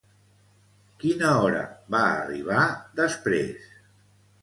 Quina hora va arribar després?